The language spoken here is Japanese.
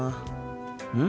うん？